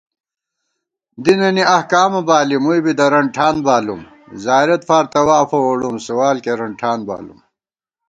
دینَنی احکامہ بالی مُوئی بی دَرَن ٹھان بالُوم * زائیرَت فار طوافہ ووڑُم سوال کېرَن ٹھان بالُوم